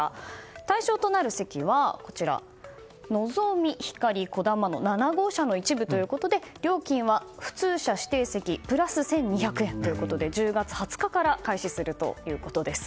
対象となる席は、「のぞみ」「ひかり」、「こだま」の７号車の一部ということで料金は普通車、指定席プラス１２００円ということで１０月２０日から開始するということです。